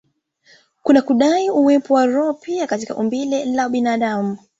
kwa kudai uwepo wa roho pia katika umbile la binadamu.